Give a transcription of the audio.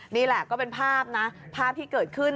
นี่แหละก็เป็นภาพนะภาพที่เกิดขึ้น